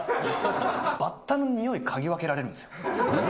バッタのにおい嗅ぎ分けられるんですよ。